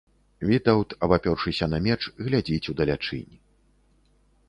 Вітаўт, абапёршыся на меч, глядзіць удалячынь.